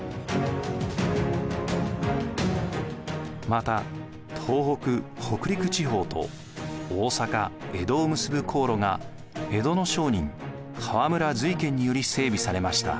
また東北北陸地方と大坂江戸を結ぶ航路が江戸の商人河村瑞賢により整備されました。